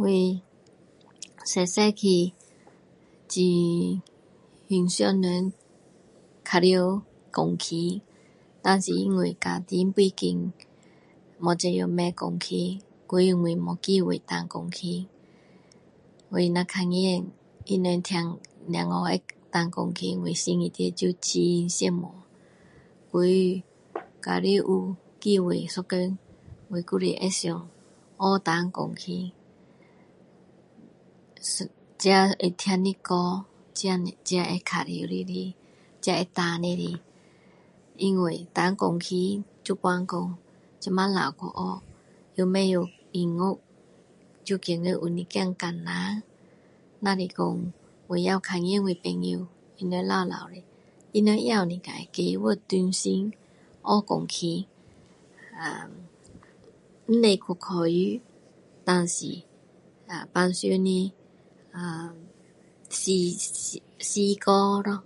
"我，小小起，很欣赏人玩耍钢琴。但是因为家庭背景，没能力买钢琴。所以我没有机会弹钢琴。我如看到他们听”unclear“，小孩会弹钢琴，我心里面就很羡慕。所以假如有机会一天，我还是会想学弹钢琴。“unclear"" 自己要听的歌，自己""ehh""会玩得来，自己会弹得来。因为弹钢琴，现在说，这么老还学，又不会音乐，就觉得有点坚难。只是说我也有看见我的朋友，他们老老的，他们也能够计划重新学钢琴，”ahh""不去考书。但是‘ahh"" 平常的是是歌”unclear“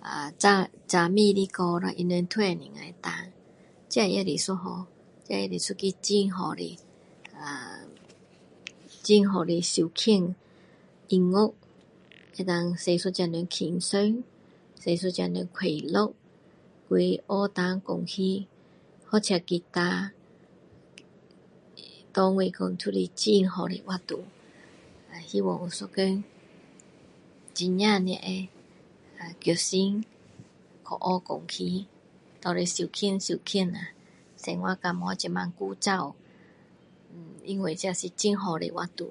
”ahh""早美的歌他们也会弹，这也一样，这也是一个很好的，很好的消遣。音乐能使一个人轻松，使一个人快乐。所以说学弹钢琴，或者吉他”ehh""给我说是很好的活动，“ahh"" 希望有一天，真正的会决心去学钢琴，拿来消遣消遣啦，生活较没那么枯燥。“ehh""因为这是很好的活动。"